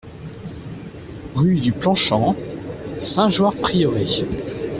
Rue du Plan Champ, Saint-Jeoire-Prieuré